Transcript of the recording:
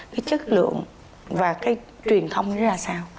cái chất lượng và cái truyền thông đó ra sao